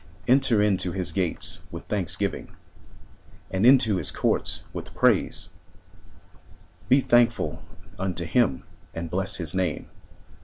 Enter into his gates with thanksgiving. And into his courts with praise; Be thankful unto him and bless his name.